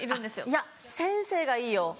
いや先生がいいよ。